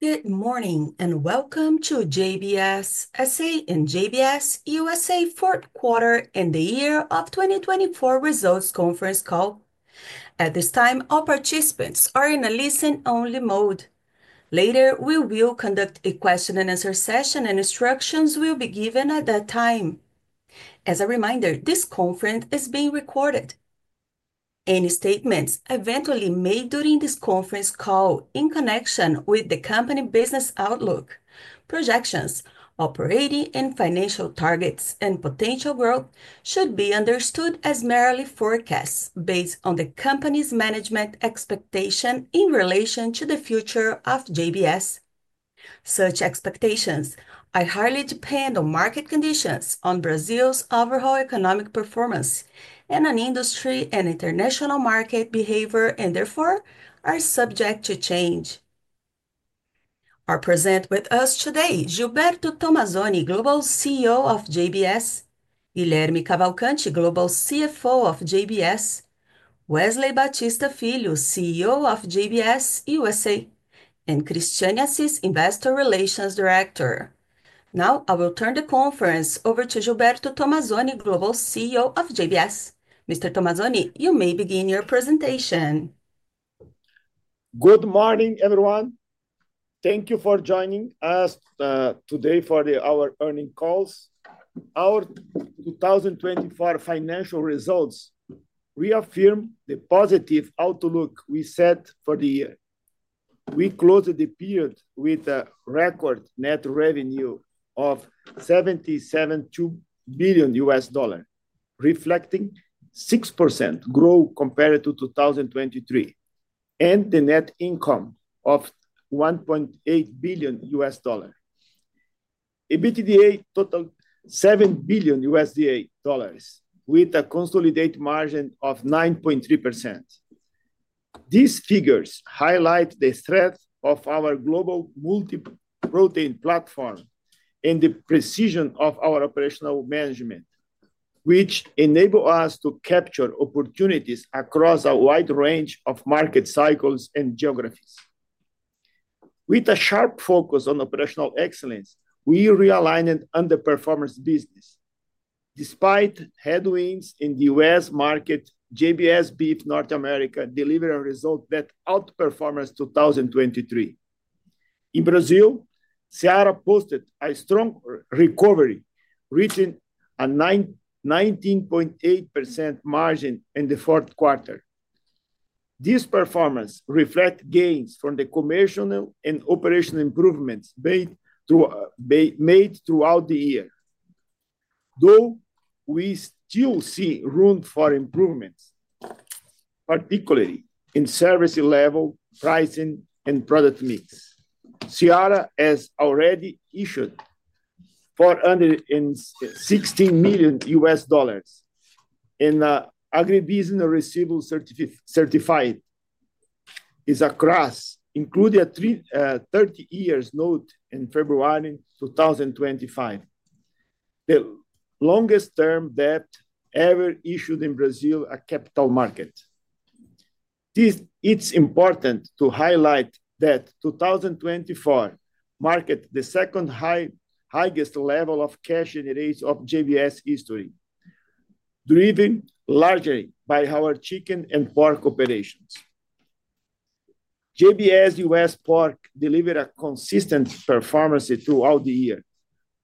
Good morning and welcome to JBS S.A. and JBS USA Fourth Quarter and the year of 2024 Results Conference Call. At this time, all participants are in a listen-only mode. Later, we will conduct a question-and-answer session, and instructions will be given at that time. As a reminder, this conference is being recorded. Any statements eventually made during this conference call in connection with the company business outlook, projections, operating and financial targets, and potential growth should be understood as merely forecasts based on the company's management expectation in relation to the future of JBS. Such expectations are highly dependent on market conditions, on Brazil's overall economic performance, and on industry and international market behavior, and therefore are subject to change. Our present with us today: Gilberto Tomazoni, Global CEO of JBS; Guilherme Cavalcanti, Global CFO of JBS; Wesley Batista Filho, CEO of JBS USA; and Christiane Assis, Investor Relations Director. Now, I will turn the conference over to Gilberto Tomazoni, Global CEO of JBS. Mr. Tomazoni, you may begin your presentation. Good morning, everyone. Thank you for joining us today for our earnings call. Our 2024 financial results reaffirm the positive outlook we set for the year. We closed the period with a record net revenue of $77 billion, reflecting a 6% growth compared to 2023, and the net income of $1.8 billion. EBITDA totaled $7 billion, with a consolidated margin of 9.3%. These figures highlight the strength of our global multi-protein platform and the precision of our operational management, which enables us to capture opportunities across a wide range of market cycles and geographies. With a sharp focus on operational excellence, we realigned on the performance business. Despite headwinds in the U.S. market, JBS Beef North America delivered a result that outperformed 2023. In Brazil, Seara posted a strong recovery, reaching a 19.8% margin in the fourth quarter. This performance reflects gains from the commercial and operational improvements made throughout the year, though we still see room for improvement, particularly in service level, pricing, and product mix. Seara has already issued $416 million in agribusiness receivables certificates, including a 30-year note in February 2025, the longest-term debt ever issued in Brazil's capital market. It's important to highlight that the 2024 market is the second-highest level of cash generation of JBS history, driven largely by our chicken and pork operations. JBS USA Pork delivered consistent performance throughout the year,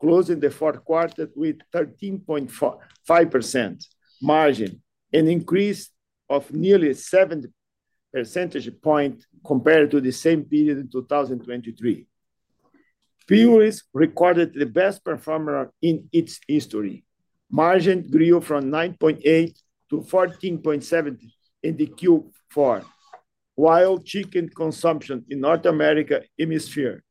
closing the fourth quarter with a 13.5% margin, an increase of nearly 7 percentage points compared to the same period in 2023. Pilgrim's Pride recorded the best performer in its history, margin grew from 9.8 to 14.7 in Q4, while chicken consumption in the Northern Hemisphere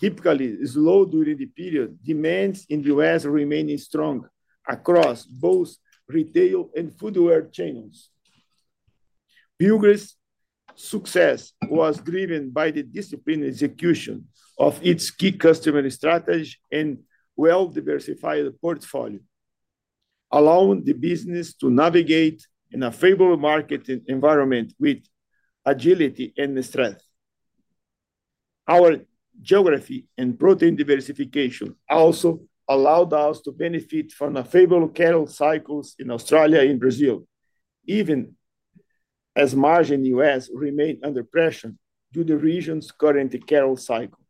typically is low during the period. Demand in the U.S. remained strong across both retail and food chains. Pilgrim's success was driven by the disciplined execution of its key customer strategy and well-diversified portfolio, allowing the business to navigate a favorable market environment with agility and strength. Our geography and protein diversification also allowed us to benefit from favorable cattle cycles in Australia and Brazil, even as margin in the U.S. remained under pressure due to the region's current cattle cycle.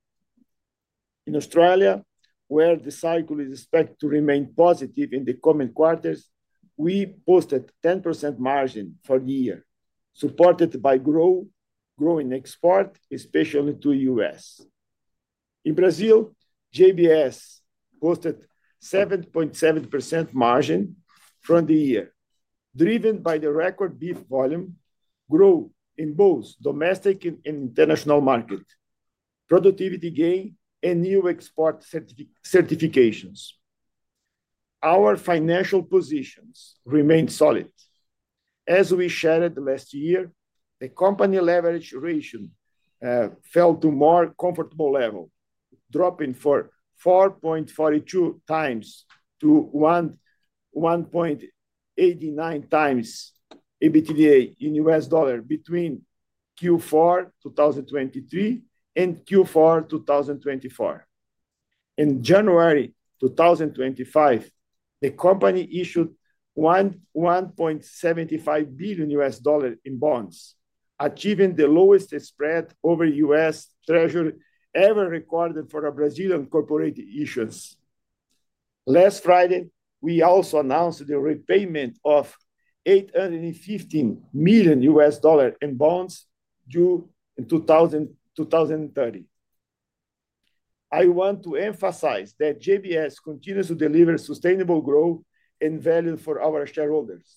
In Australia, where the cycle is expected to remain positive in the coming quarters, we posted a 10% margin for the year, supported by growing exports, especially to the US. In Brazil, JBS posted a 7.7% margin for the year, driven by the record beef volume growth in both domestic and international markets, productivity gains, and new export certifications. Our financial positions remained solid. As we shared last year, the company leverage ratio fell to a more comfortable level, dropping from 4.42x to 1.89x EBITDA in US dollar between Q4 2023 and Q4 2024. In January 2025, the company issued $1.75 billion in bonds, achieving the lowest spread over U.S. Treasury ever recorded for a Brazilian corporate issuance. Last Friday, we also announced the repayment of $815 million in bonds due in 2030. I want to emphasize that JBS continues to deliver sustainable growth and value for our shareholders.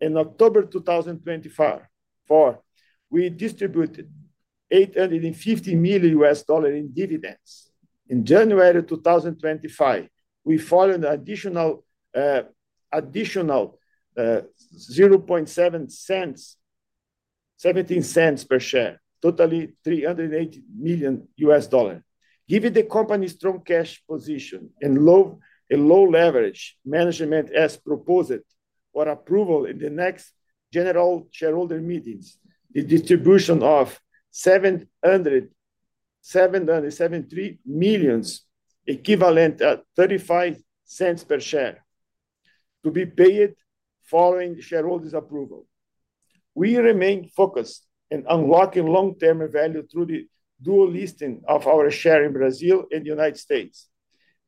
In October 2024, we distributed $850 million in dividends. In January 2025, we paid an additional $0.17 per share, totaling $380 million. Given the company's strong cash position and low leverage management, as proposed for approval in the next general shareholder meetings, the distribution of $773 million equivalent at $0.35 per share to be paid following shareholders' approval. We remain focused on unlocking long-term value through the dual listing of our share in Brazil and the United States.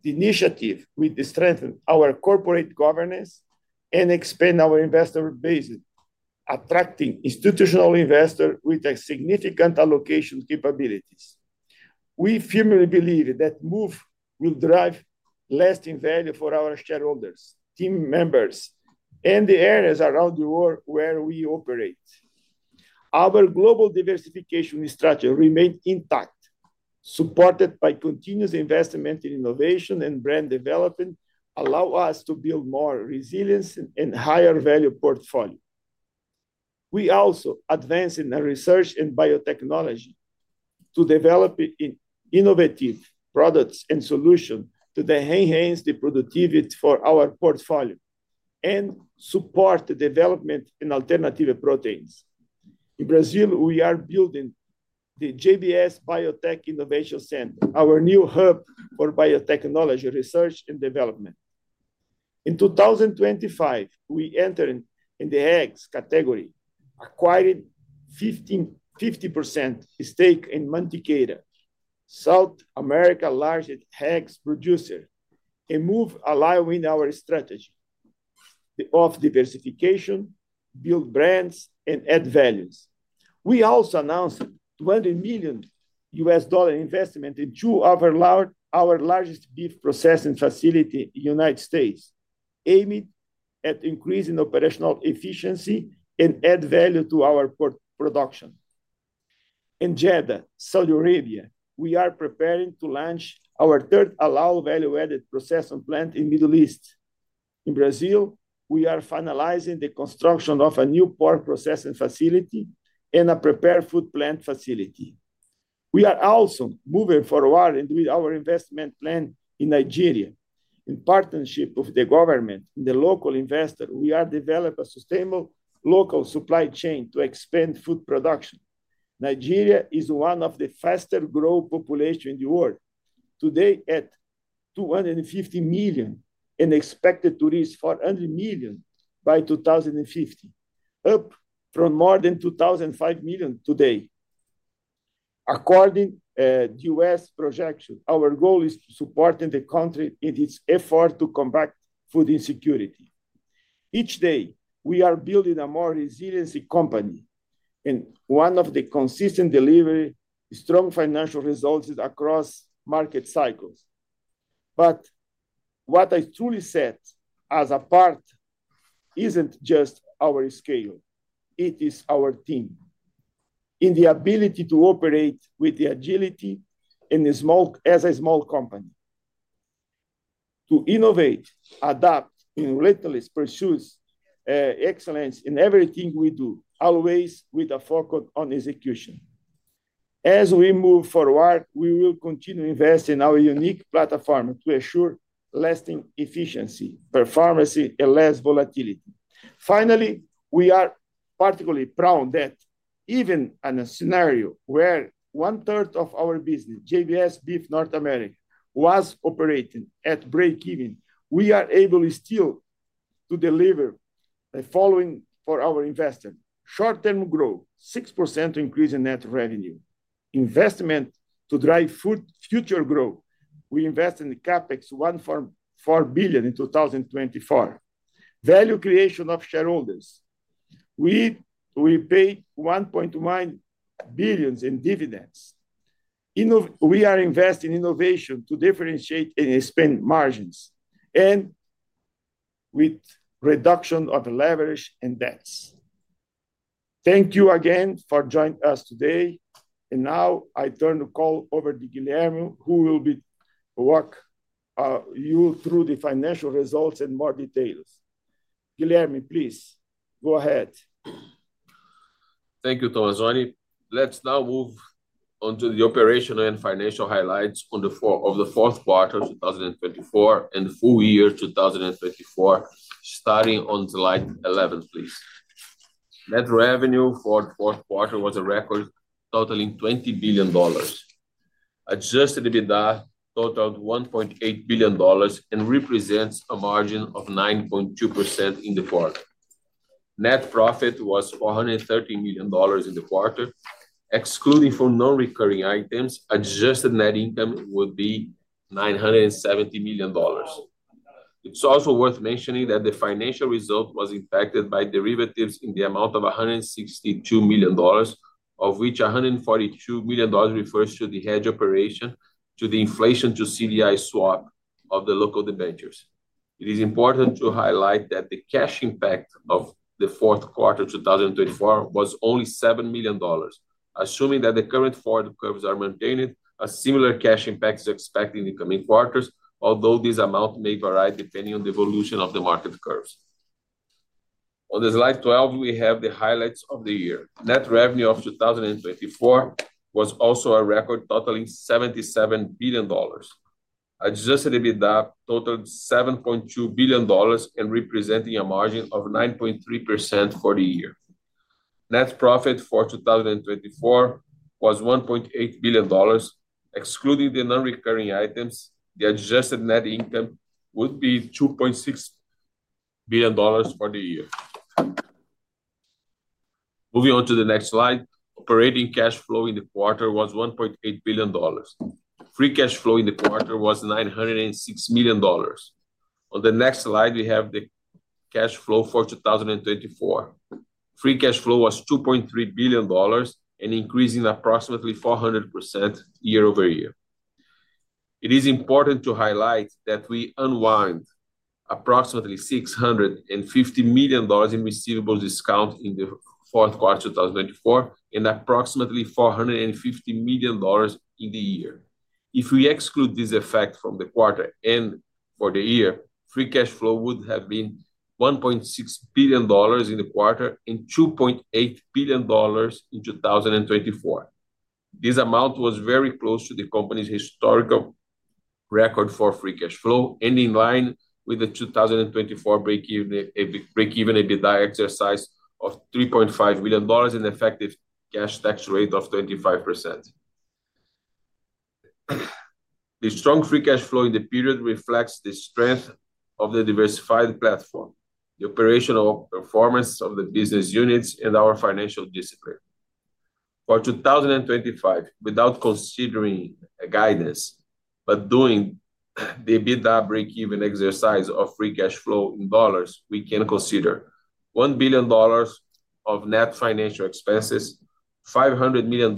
The initiative will strengthen our corporate governance and expand our investor base, attracting institutional investors with significant allocation capabilities. We firmly believe that this move will drive lasting value for our shareholders, team members, and the areas around the world where we operate. Our global diversification strategy remains intact, supported by continuous investment in innovation and brand development, which allows us to build more resilience and a higher value portfolio. We also advance in research and biotechnology to develop innovative products and solutions that enhance the productivity for our portfolio and support the development of alternative proteins. In Brazil, we are building the JBS Biotech Innovation Center, our new hub for biotechnology research and development. In 2025, we entered in the eggs category, acquiring a 50% stake in Mantiqueira, South America's largest eggs producer, a move aligning with our strategy of diversification, building brands, and adding values. We also announced a $200 million investment in two of our largest beef processing facilities in the United States, aimed at increasing operational efficiency and adding value to our production. In Jeddah, Saudi Arabia, we are preparing to launch our third Halal value-added processing plant in the Middle East. In Brazil, we are finalizing the construction of a new pork processing facility and a prepared food plant facility. We are also moving forward with our investment plan in Nigeria. In partnership with the government and the local investors, we are developing a sustainable local supply chain to expand food production. Nigeria is one of the fastest-growing populations in the world, today at 250 million and expected to reach 400 million by 2050, up from more than 200 million today. According to the U.S. projection, our goal is to support the country in its efforts to combat food insecurity. Each day, we are building a more resilient company and one of the consistent deliverers of strong financial results across market cycles. What I truly see as a part is not just our scale; it is our team and the ability to operate with agility as a small company. To innovate, adapt, and relentlessly pursue excellence in everything we do, always with a focus on execution. As we move forward, we will continue investing in our unique platform to ensure lasting efficiency, performance, and less volatility. Finally, we are particularly proud that even in a scenario where one-third of our business, JBS Beef North America, was operating at break-even, we are able still to deliver the following for our investors: short-term growth, 6% increase in net revenue, investment to drive future growth. We invested in the CapEx of $1.4 billion in 2024. Value creation of shareholders. We paid $1.9 billion in dividends. We are investing in innovation to differentiate and expand margins and with reduction of leverage and debts. Thank you again for joining us today. Now I turn the call over to Guilherme, who will walk you through the financial results and more details. Guilherme, please go ahead. Thank you, Tomazoni. Let's now move on to the operational and financial highlights of the fourth quarter of 2024 and full year 2024, starting on Slide 11, please. Net revenue for the fourth quarter was a record, totaling $20 billion. Adjusted EBITDA totaled $1.8 billion and represents a margin of 9.2% in the quarter. Net profit was $430 million in the quarter. Excluding non-recurring items, adjusted net income would be $970 million. It's also worth mentioning that the financial result was impacted by derivatives in the amount of $162 million, of which $142 million refers to the hedge operation to the inflation-to-CDI swap of the local debentures. It is important to highlight that the cash impact of the fourth quarter of 2024 was only $7 million. Assuming that the current forward curves are maintained, a similar cash impact is expected in the coming quarters, although this amount may vary depending on the evolution of the market curves. On slide 12, we have the highlights of the year. Net revenue of 2024 was also a record, totaling $77 billion. Adjusted EBITDA totaled $7.2 billion and represented a margin of 9.3% for the year. Net profit for 2024 was $1.8 billion. Excluding non-recurring items, the adjusted net income would be $2.6 billion for the year. Moving on to the next slide, operating cash flow in the quarter was $1.8 billion. Free cash flow in the quarter was $906 million. On the next slide, we have the cash flow for 2024. Free cash flow was $2.3 billion and increased approximately 400% year-over-year. It is important to highlight that we unwind approximately $650 million in receivables discount in the fourth quarter of 2024 and approximately $450 million in the year. If we exclude this effect from the quarter and for the year, free cash flow would have been $1.6 billion in the quarter and $2.8 billion in 2024. This amount was very close to the company's historical record for free cash flow, and in line with the 2024 break-even EBITDA exercise of $3.5 billion and effective cash tax rate of 25%. The strong free cash flow in the period reflects the strength of the diversified platform, the operational performance of the business units, and our financial discipline. For 2025, without considering guidance but doing the EBITDA break-even exercise of free cash flow in dollars, we can consider $1 billion of net financial expenses, $500 million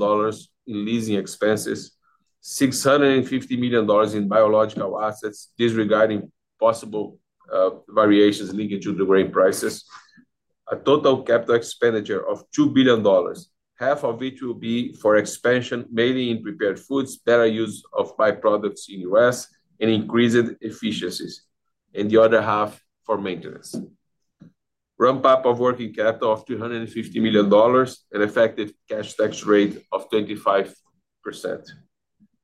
in leasing expenses, $650 million in biological assets, disregarding possible variations linked to grain prices, a total capital expenditure of $2 billion, half of which will be for expansion, mainly in prepared foods, better use of byproducts in the US, and increased efficiencies, and the other half for maintenance. Ramp-up of working capital of $250 million and effective cash tax rate of 25%.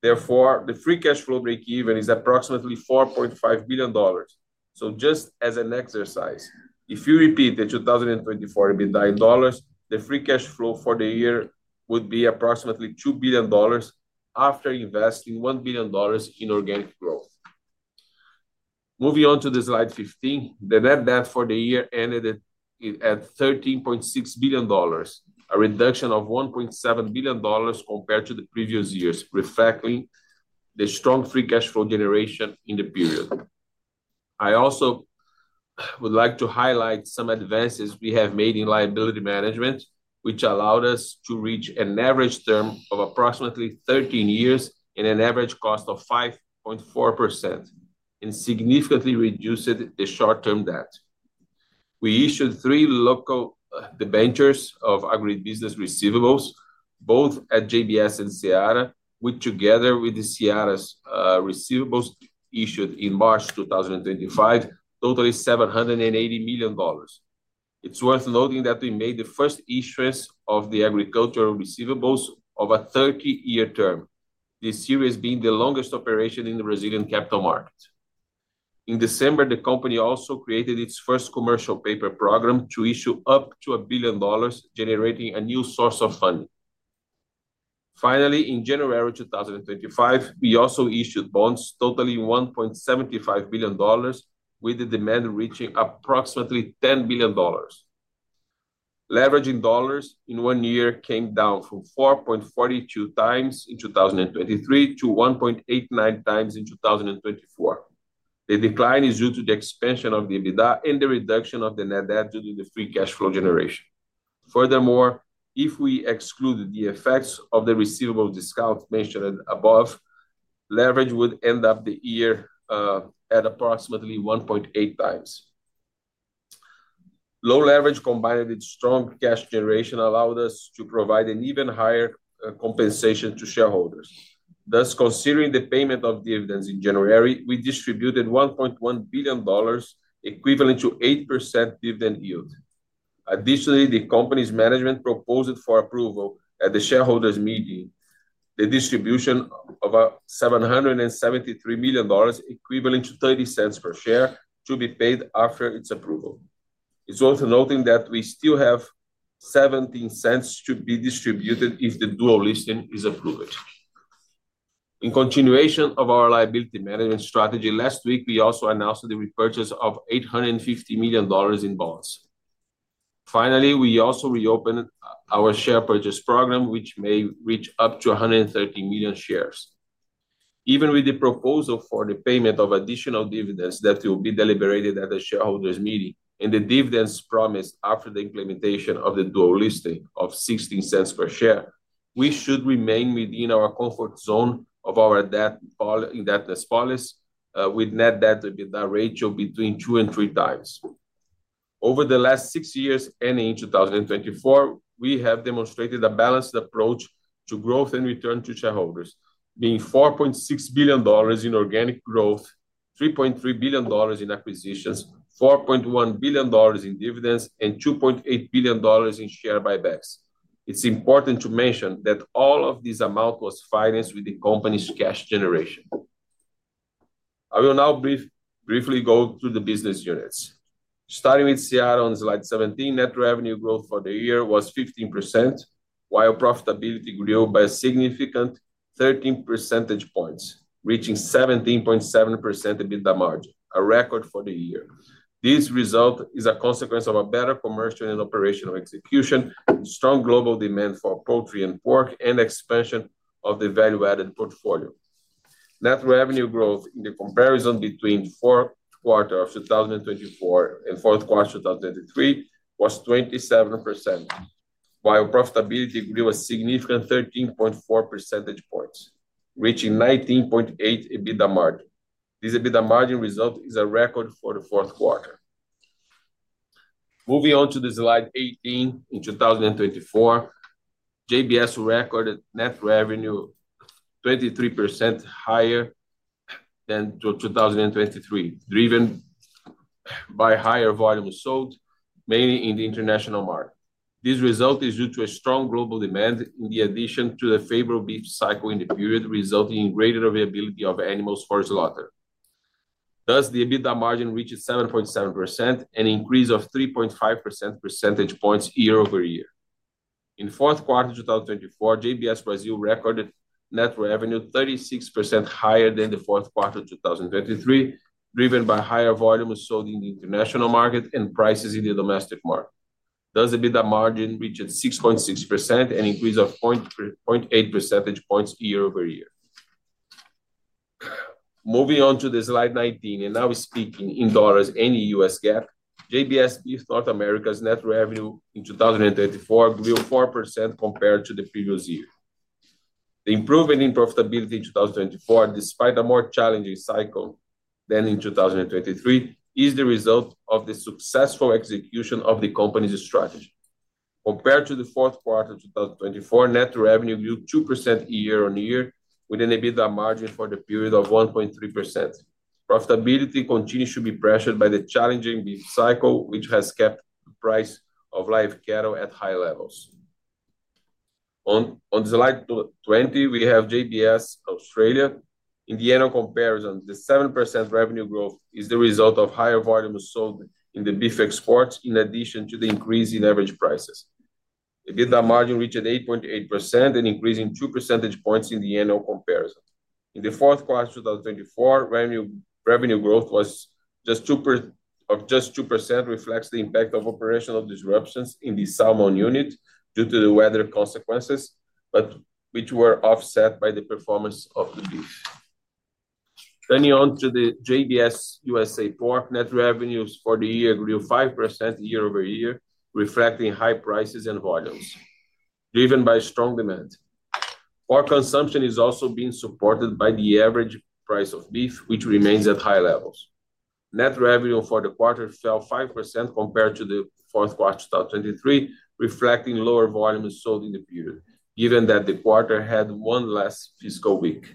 Therefore, the free cash flow break-even is approximately $4.5 billion. Just as an exercise, if you repeat the 2024 EBITDA in dollars, the free cash flow for the year would be approximately $2 billion after investing $1 billion in organic growth. Moving on to slide 15, the net debt for the year ended at $13.6 billion, a reduction of $1.7 billion compared to the previous years, reflecting the strong free cash flow generation in the period. I also would like to highlight some advances we have made in liability management, which allowed us to reach an average term of approximately 13 years and an average cost of 5.4%, and significantly reduced the short-term debt. We issued three local debentures of agribusiness receivables, both at JBS and Seara, which together with the Seara's receivables issued in March 2025, totaled $780 million. It's worth noting that we made the first issuance of the agricultural receivables of a 30-year term, the series being the longest operation in the Brazilian capital market. In December, the company also created its first commercial paper program to issue up to $1 billion, generating a new source of funding. Finally, in January 2025, we also issued bonds, totaling $1.75 billion, with the demand reaching approximately $10 billion. Leverage in dollars in one year came down from 4.42x in 2023 to 1.89x in 2024. The decline is due to the expansion of the EBITDA and the reduction of the net debt due to the free cash flow generation. Furthermore, if we exclude the effects of the receivable discount mentioned above, leverage would end up the year at approximately 1.8x. Low leverage combined with strong cash generation allowed us to provide an even higher compensation to shareholders. Thus, considering the payment of dividends in January, we distributed $1.1 billion, equivalent to 8% dividend yield. Additionally, the company's management proposed for approval at the shareholders' meeting the distribution of $773 million, equivalent to $0.30 per share, to be paid after its approval. It's also noting that we still have $0.17 to be distributed if the dual listing is approved. In continuation of our liability management strategy, last week, we also announced the repurchase of $850 million in bonds. Finally, we also reopened our share purchase program, which may reach up to 130 million shares. Even with the proposal for the payment of additional dividends that will be deliberated at the shareholders' meeting and the dividends promised after the implementation of the dual listing of $0.16 per share, we should remain within our comfort zone of our debt indebtedness policy with net debt EBITDA ratio between two and three times. Over the last six years and in 2024, we have demonstrated a balanced approach to growth and return to shareholders, being $4.6 billion in organic growth, $3.3 billion in acquisitions, $4.1 billion in dividends, and $2.8 billion in share buybacks. It's important to mention that all of this amount was financed with the company's cash generation. I will now briefly go through the business units. Starting with Seara on slide 17, net revenue growth for the year was 15%, while profitability grew by a significant 13 percentage points, reaching 17.7% EBITDA margin, a record for the year. This result is a consequence of a better commercial and operational execution, strong global demand for poultry and pork, and expansion of the value-added portfolio. Net revenue growth in the comparison between the fourth quarter of 2024 and fourth quarter of 2023 was 27%, while profitability grew a significant 13.4 percentage points, reaching 19.8% EBITDA margin. This EBITDA margin result is a record for the fourth quarter. Moving on to slide 18, in 2024, JBS recorded net revenue 23% higher than 2023, driven by higher volumes sold, mainly in the international market. This result is due to a strong global demand in addition to the favorable beef cycle in the period, resulting in greater availability of animals for slaughter. Thus, the EBITDA margin reached 7.7% and increased 3.5 percentage points year-over-year. In the fourth quarter of 2024, JBS Brazil recorded net revenue 36% higher than the fourth quarter of 2023, driven by higher volumes sold in the international market and prices in the domestic market. Thus, EBITDA margin reached 6.6% and increased 0.8 percentage points year-over-year. Moving on to slide 19, and now speaking in dollars and U.S. GAAP, JBS Beef North America's net revenue in 2024 grew 4% compared to the previous year. The improvement in profitability in 2024, despite a more challenging cycle than in 2023, is the result of the successful execution of the company's strategy. Compared to the fourth quarter of 2024, net revenue grew 2% year-on-year, with an EBITDA margin for the period of 1.3%. Profitability continues to be pressured by the challenging beef cycle, which has kept the price of live cattle at high levels. On slide 20, we have JBS Australia. In the annual comparison, the 7% revenue growth is the result of higher volumes sold in the beef exports, in addition to the increase in average prices. EBITDA margin reached 8.8% and increased in 2 percentage points in the annual comparison. In the fourth quarter of 2024, revenue growth was just 2%, which reflects the impact of operational disruptions in the salmon unit due to the weather consequences, but which were offset by the performance of the beef. Turning on to the JBS USA Pork, net revenues for the year grew 5% year-over-year, reflecting high prices and volumes, driven by strong demand. Pork consumption is also being supported by the average price of beef, which remains at high levels. Net revenue for the quarter fell 5% compared to the fourth quarter of 2023, reflecting lower volumes sold in the period, given that the quarter had one less fiscal week.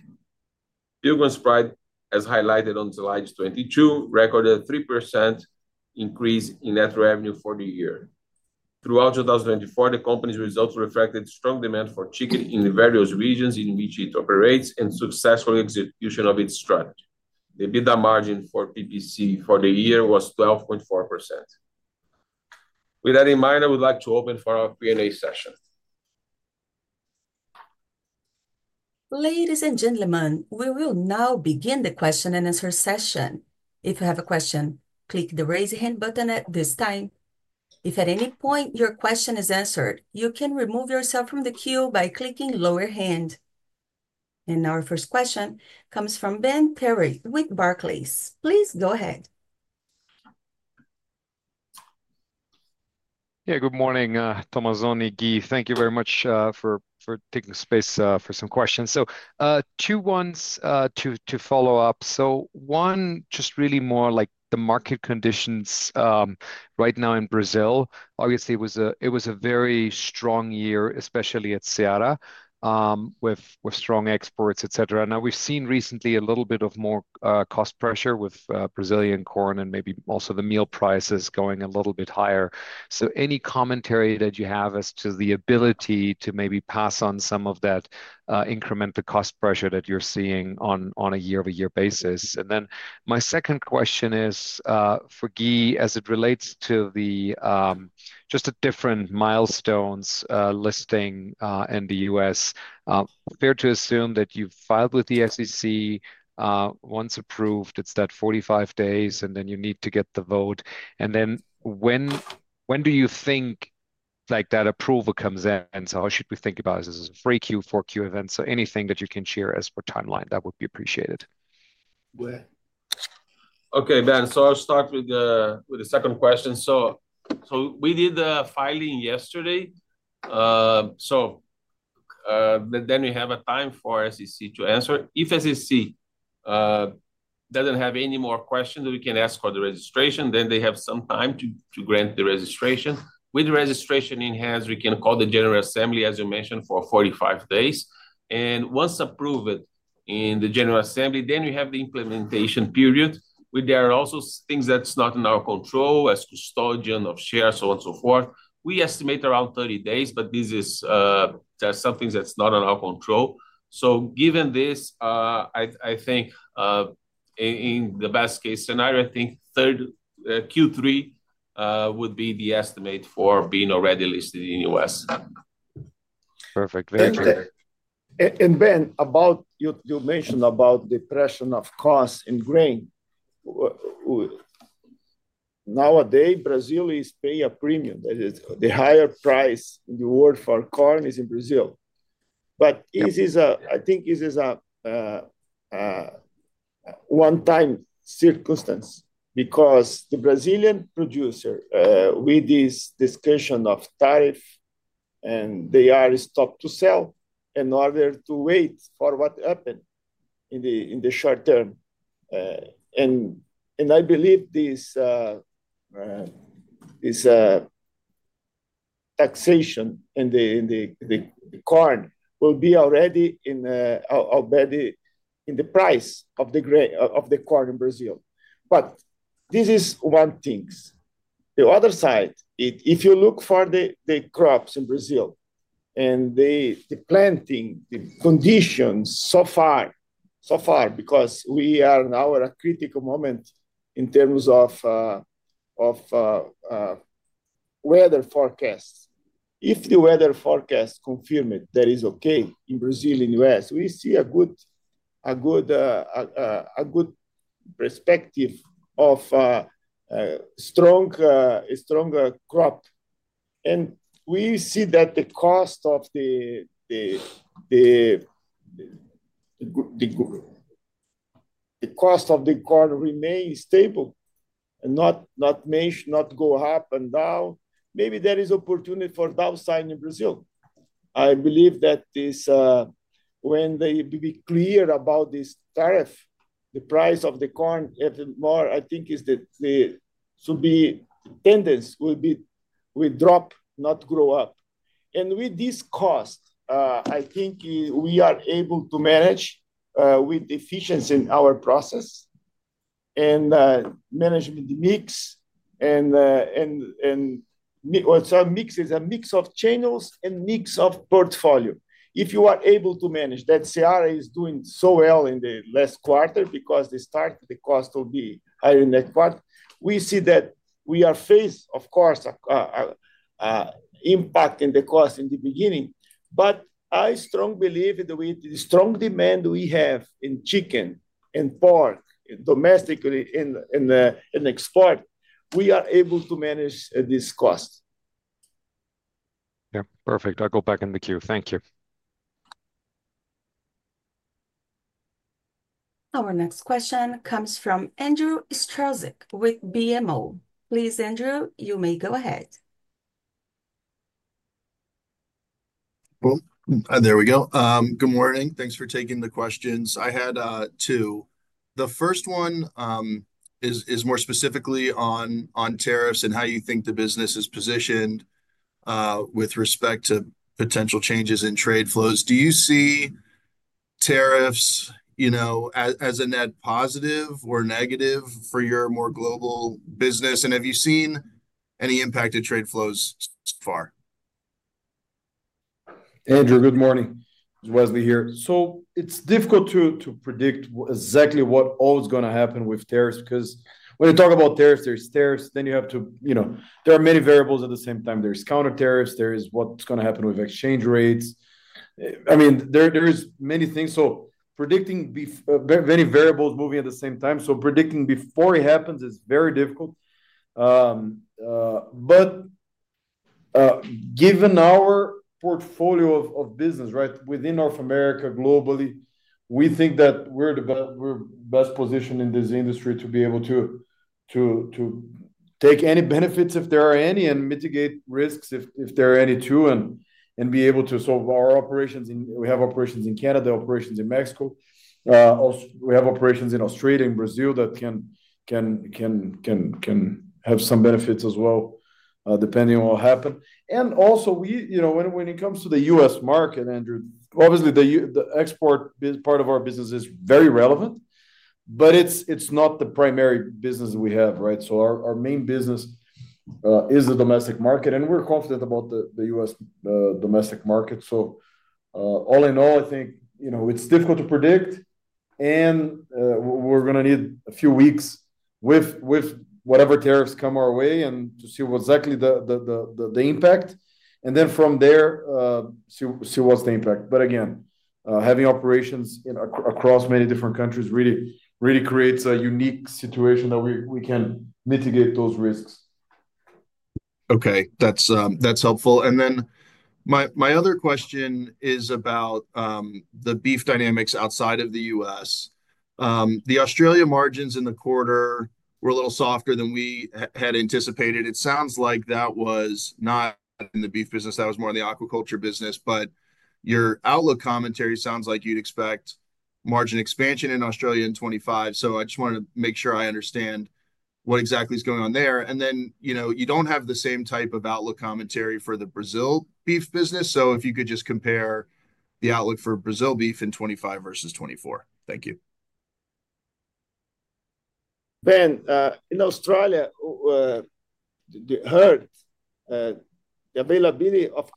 Pilgrim's Pride, as highlighted on slide 22, recorded a 3% increase in net revenue for the year. Throughout 2024, the company's results reflected strong demand for chicken in various regions in which it operates and successful execution of its strategy. The EBITDA margin for PPC for the year was 12.4%. With that in mind, I would like to open for our Q&A session. Ladies and gentlemen, we will now begin the question-and-answer session. If you have a question, click the raise hand button at this time. If at any point your question is answered, you can remove yourself from the queue by clicking lower hand. Our first question comes from Ben Theurer with Barclays. Please go ahead. Yeah, good morning, Tomazoni, Gui, thank you very much for taking the space for some questions. Two ones to follow up. One, just really more like the market conditions right now in Brazil. Obviously, it was a very strong year, especially at Seara, with strong exports, et cetera. Now, we've seen recently a little bit of more cost pressure with Brazilian corn and maybe also the meal prices going a little bit higher. Any commentary that you have as to the ability to maybe pass on some of that incremental cost pressure that you're seeing on a year-over-year basis? Then my second question is for Gui, as it relates to just the different milestones listing in the U.S., fair to assume that you've filed with the SEC, once approved, it's that 45 days, and then you need to get the vote. When do you think that approval comes in? How should we think about it? Is this a 3Q, 4Q event? Anything that you can share as per timeline, that would be appreciated. Okay, Ben, I'll start with the second question. We did the filing yesterday. We have a time for SEC to answer. If SEC doesn't have any more questions, we can ask for the registration. They have some time to grant the registration. With the registration in hands, we can call the general assembly, as you mentioned, for 45 days. Once approved in the general assembly, we have the implementation period, which there are also things that are not in our control, as custodian of shares, so on and so forth. We estimate around 30 days, but there are some things that are not in our control. Given this, I think in the best case scenario, Q3 would be the estimate for being already listed in the U.S. Perfect. Thank you. Ben, you mentioned about the pressure of costs in grain. Nowadays, Brazil is paying a premium. The higher price in the world for corn is in Brazil. I think this is a one-time circumstance because the Brazilian producer, with this discussion of tariff, and they are stopped to sell in order to wait for what happened in the short term. I believe this taxation in the corn will be already embedded in the price of the corn in Brazil. This is one thing. The other side, if you look for the crops in Brazil and the planting, the conditions so far, so far, because we are now at a critical moment in terms of weather forecasts. If the weather forecast confirms that it's okay in Brazil, in the U.S., we see a good perspective of a strong crop. We see that the cost of the corn remains stable and does not go up and down. Maybe there is opportunity for downside in Brazil. I believe that when they will be clear about this tariff, the price of the corn, I think the tendency will drop, not grow up. With this cost, I think we are able to manage with efficiency in our process and management mix, and so it's a mix of channels and mix of portfolio. If you are able to manage that, Seara is doing so well in the last quarter because they started the cost to be higher in that quarter. We see that we are faced, of course, impacting the cost in the beginning. I strongly believe that with the strong demand we have in chicken and pork domestically and export, we are able to manage this cost. Yeah, perfect. I'll go back in the queue. Thank you. Our next question comes from Andrew Strelzik with BMO. Please, Andrew, you may go ahead. There we go. Good morning. Thanks for taking the questions. I had two. The first one is more specifically on tariffs and how you think the business is positioned with respect to potential changes in trade flows. Do you see tariffs as a net positive or negative for your more global business? Have you seen any impacted trade flows so far? Andrew, good morning. It's Wesley here. It's difficult to predict exactly what all is going to happen with tariffs because when you talk about tariffs, there's tariffs, then you have to, there are many variables at the same time. There's counter tariffs. There is what's going to happen with exchange rates. I mean, there are many things. Predicting many variables moving at the same time, predicting before it happens is very difficult. Given our portfolio of business, right, within North America globally, we think that we're best positioned in this industry to be able to take any benefits if there are any and mitigate risks if there are any too and be able to solve our operations. We have operations in Canada, operations in Mexico. We have operations in Australia and Brazil that can have some benefits as well depending on what happens. Also, when it comes to the U.S. market, Andrew, obviously, the export part of our business is very relevant, but it's not the primary business we have, right? Our main business is the domestic market, and we're confident about the U.S. domestic market. All in all, I think it's difficult to predict, and we're going to need a few weeks with whatever tariffs come our way and to see exactly the impact. Then from there, see what's the impact. Again, having operations across many different countries really creates a unique situation that we can mitigate those risks. Okay. That's helpful. My other question is about the beef dynamics outside of the U.S. The Australia margins in the quarter were a little softer than we had anticipated. It sounds like that was not in the beef business. That was more in the aquaculture business. Your outlook commentary sounds like you'd expect margin expansion in Australia in 2025. I just want to make sure I understand what exactly is going on there. You do not have the same type of outlook commentary for the Brazil beef business. If you could just compare the outlook for Brazil beef in 2025 versus 2024. Thank you. Ben, in Australia, the availability of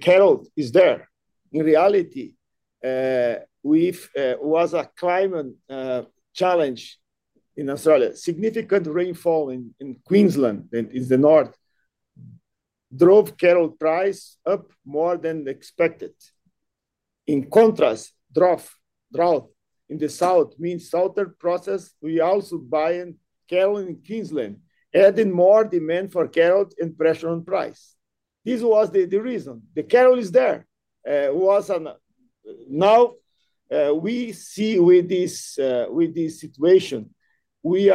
cattle is there. In reality, with what's a climate challenge in Australia, significant rainfall in Queensland in the north drove cattle price up more than expected. In contrast, drought in the south means shorter process. We also buy cattle in Queensland, adding more demand for cattle and pressure on price. This was the reason. The cattle is there. Now, we see with this situation, we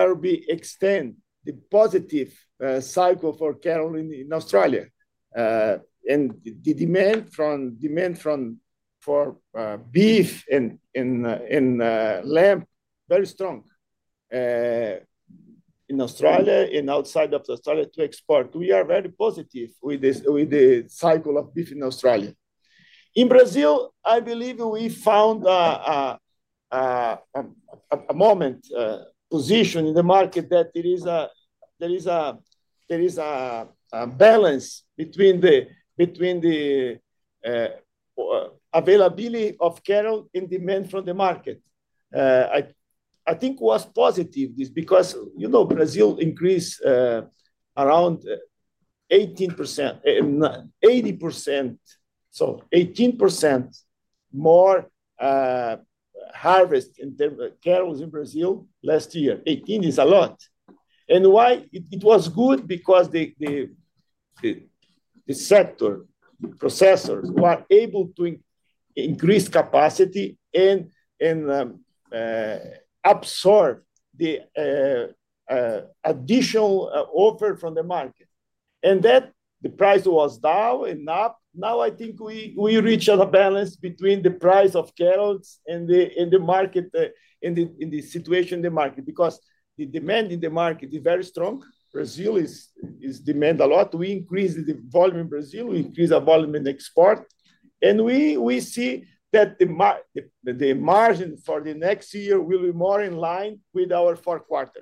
are extending the positive cycle for cattle in Australia. The demand for beef and lamb is very strong in Australia and outside of Australia to export. We are very positive with the cycle of beef in Australia. In Brazil, I believe we found a moment position in the market that there is a balance between the availability of cattle and demand from the market. I think it was positive because Brazil increased around 80%, so 18% more harvest in cattle in Brazil last year. 18 is a lot. Why? It was good because the sector, the processors were able to increase capacity and absorb the additional offer from the market. The price was down and up. Now, I think we reached a balance between the price of cattle and the market in the situation in the market because the demand in the market is very strong. Brazil demands a lot. We increased the volume in Brazil. We increased the volume in export. We see that the margin for the next year will be more in line with our fourth quarter.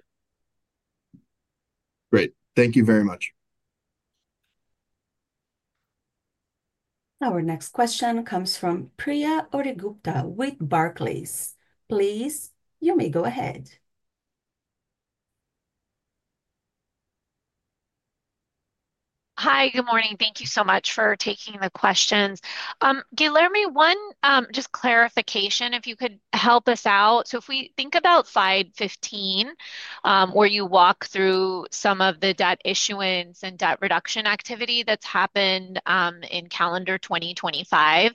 Great. Thank you very much. Our next question comes from Priya Ohri-Gupta with Barclays. Please, you may go ahead. Hi, good morning. Thank you so much for taking the questions. Guilherme, one just clarification if you could help us out. If we think about slide 15, where you walk through some of the debt issuance and debt reduction activity that's happened in calendar 2025,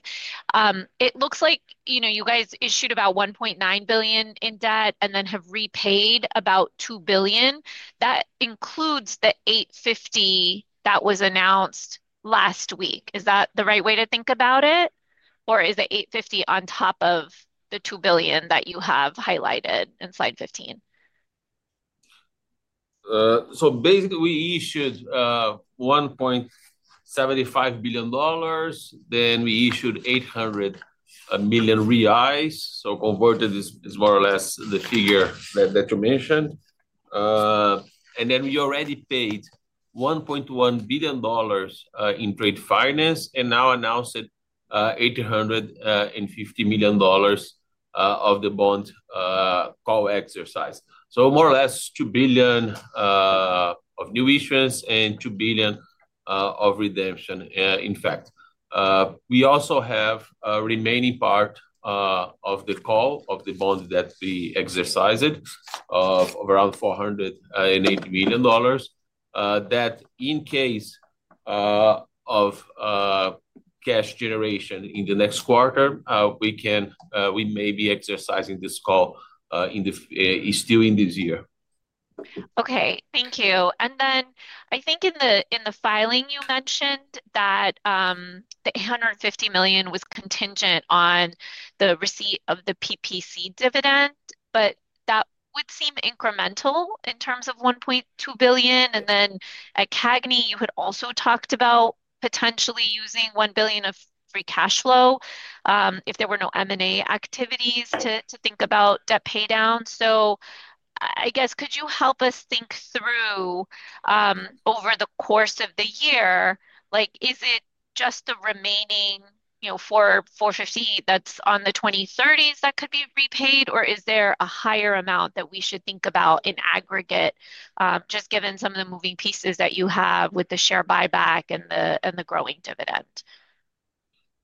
it looks like you guys issued about $1.9 billion in debt and then have repaid about $2 billion. That includes the $850 million that was announced last week. Is that the right way to think about it? Or is it $850 million on top of the $2 billion that you have highlighted in slide 15? Basically, we issued $1.75 billion. Then we issued 800 million reais. Converted, it's more or less the figure that you mentioned. We already paid $1.1 billion in trade finance and now announced $850 million of the bond call exercise. More or less $2 billion of new issuance and $2 billion of redemption, in fact. We also have a remaining part of the call of the bond that we exercised of around $480 million that in case of cash generation in the next quarter, we may be exercising this call still in this year. Okay. Thank you. In the filing, you mentioned that the $850 million was contingent on the receipt of the PPC dividend, but that would seem incremental in terms of $1.2 billion. At CAGNY, you had also talked about potentially using $1 billion of free cash flow if there were no M&A activities to think about debt paydown. I guess, could you help us think through over the course of the year? Is it just the remaining $450 million that's on the 2030s that could be repaid, or is there a higher amount that we should think about in aggregate, just given some of the moving pieces that you have with the share buyback and the growing dividend?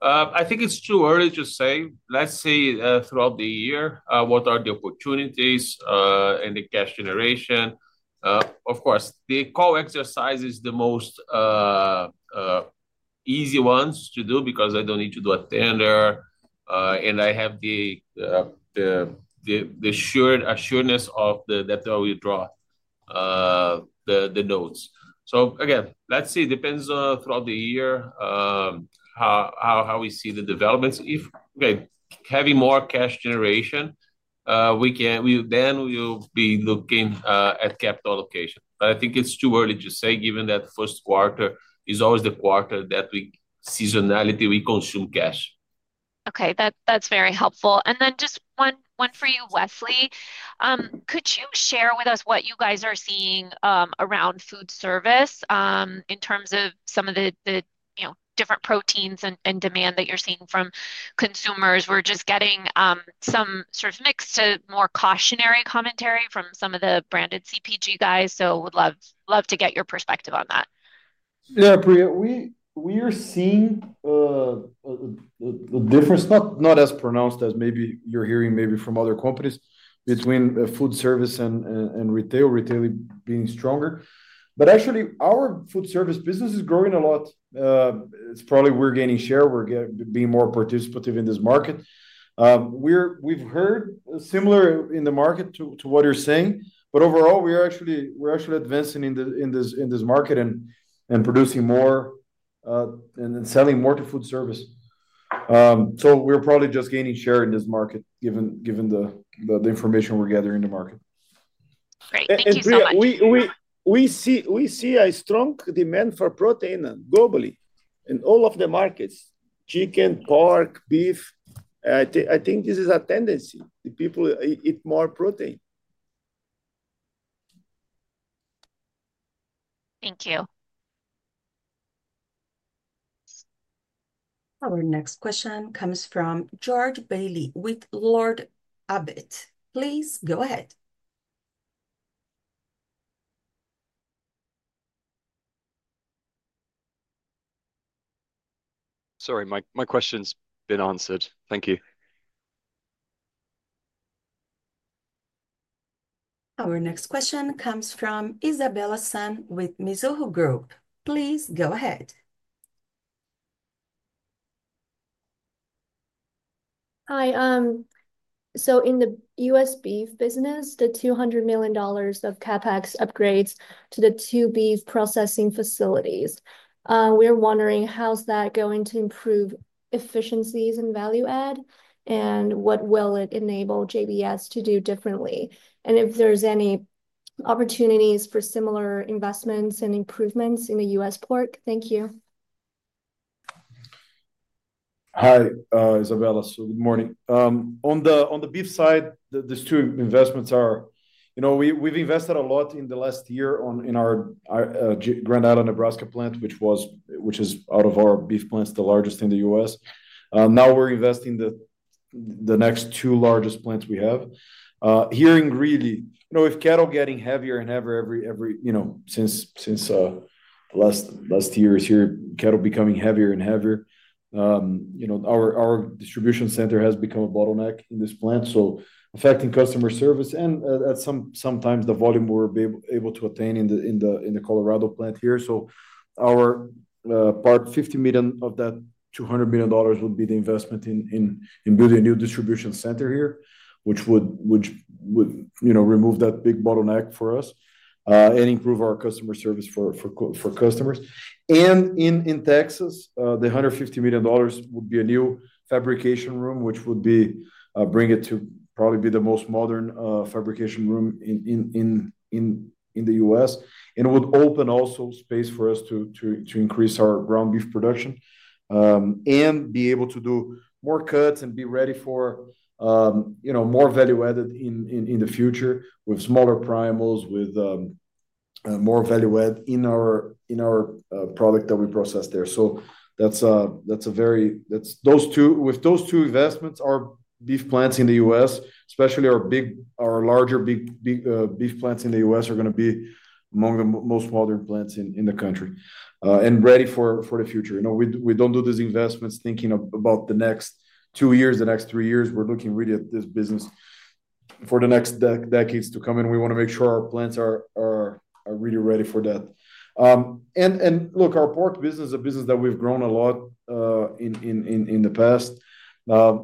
I think it's true. Earlier, you just said, let's see throughout the year, what are the opportunities in the cash generation. Of course, the call exercise is the most easy ones to do because I don't need to do a tender, and I have the assurance that I will draw the notes. Let's see. It depends throughout the year how we see the developments. If we're having more cash generation, then we'll be looking at capital allocation. I think it's too early to say given that first quarter is always the quarter that we seasonality, we consume cash. Okay. That's very helpful. Just one for you, Wesley. Could you share with us what you guys are seeing around food service in terms of some of the different proteins and demand that you're seeing from consumers? We're just getting some sort of mixed to more cautionary commentary from some of the branded CPG guys. Would love to get your perspective on that. Yeah, Priya, we are seeing the difference, not as pronounced as maybe you're hearing maybe from other companies between food service and retail, retail being stronger. Actually, our food service business is growing a lot. It's probably we're gaining share. We're being more participative in this market. We've heard similar in the market to what you're saying. Overall, we're actually advancing in this market and producing more and selling more to food service. We're probably just gaining share in this market given the information we're gathering in the market. Great. Thank you so much. We see a strong demand for protein globally in all of the markets: chicken, pork, beef. I think this is a tendency. The people eat more protein. Thank you. Our next question comes from George Bailey with Lord Abbett. Please go ahead. Sorry, my question's been answered. Thank you. Our next question comes from n is. Please go ahead. Hi. In the U.S. beef business, the $200 million of CapEx upgrades to the two beef processing facilities. We're wondering how's that going to improve efficiencies and value-add, and what will it enable JBS to do differently? And if there's any opportunities for similar investments and improvements in the U.S. pork. Thank you. Hi, Isabella. Good morning. On the beef side, these two investments are we've invested a lot in the last year in our Grand Island, Nebraska plant, which is out of our beef plants, the largest in the U.S.. Now we're investing the next two largest plants we have. Here in Greeley, with cattle getting heavier and heavier every since last year is here, cattle becoming heavier and heavier, our distribution center has become a bottleneck in this plant, affecting customer service and at sometimes the volume we're able to attain in the Colorado plant here. Our part, $50 million of that $200 million would be the investment in building a new distribution center here, which would remove that big bottleneck for us and improve our customer service for customers. In Texas, the $150 million would be a new fabrication room, which would bring it to probably be the most modern fabrication room in the U.S.. It would open also space for us to increase our ground beef production and be able to do more cuts and be ready for more value-added in the future with smaller primals, with more value-add in our product that we process there. That is a very those two investments, our beef plants in the U.S., especially our larger beef plants in the U.S., are going to be among the most modern plants in the country and ready for the future. We do not do these investments thinking about the next two years, the next three years. We are looking really at this business for the next decades to come. We want to make sure our plants are really ready for that. Our pork business is a business that we've grown a lot in the past.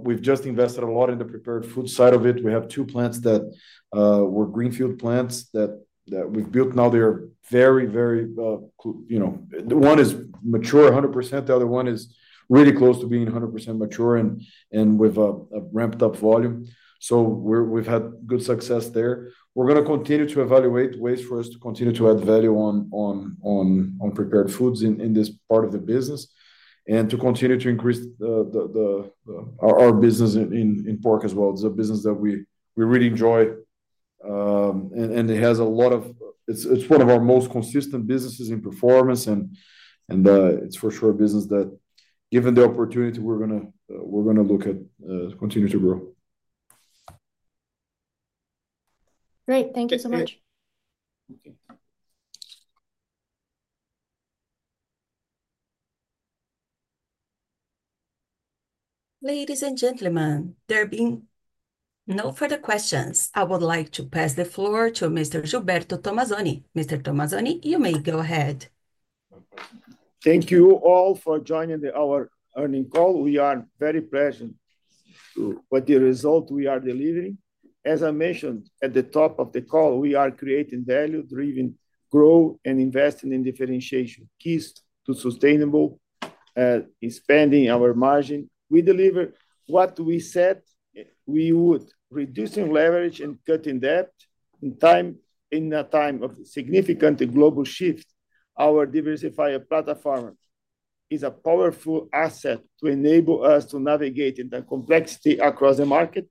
We've just invested a lot in the prepared food side of it. We have two plants that were greenfield plants that we've built. Now they're very, very one is mature 100%. The other one is really close to being 100% mature and with a ramped-up volume. We've had good success there. We're going to continue to evaluate ways for us to continue to add value on prepared foods in this part of the business and to continue to increase our business in pork as well. It's a business that we really enjoy. It has a lot of it's one of our most consistent businesses in performance. It's for sure a business that, given the opportunity, we're going to look at continuing to grow. Great. Thank you so much. Ladies and gentlemen, there being no further questions, I would like to pass the floor to Mr. Gilberto Tomazoni. Mr. Tomazoni, you may go ahead. Thank you all for joining our earning call. We are very pleased with the result we are delivering. As I mentioned at the top of the call, we are creating value, driving growth, and investing in differentiation, keys to sustainable spending, our margin. We deliver what we said we would, reducing leverage and cutting debt in a time of significant global shift. Our diversified platform is a powerful asset to enable us to navigate in the complexity across the market.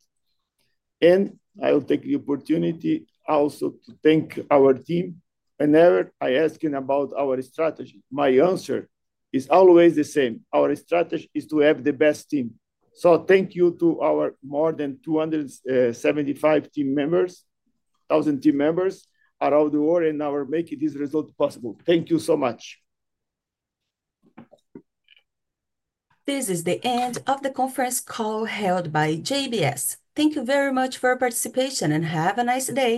I will take the opportunity also to thank our team. Whenever I ask him about our strategy, my answer is always the same. Our strategy is to have the best team. Thank you to our more than 275 team members, 1,000 team members around the world, and our making this result possible. Thank you so much. This is the end of the conference call held by JBS. Thank you very much for participation and have a nice day.